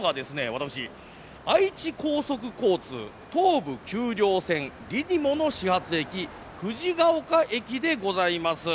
私愛知高速交通東部丘陵線リニモの始発駅藤が丘駅でございます。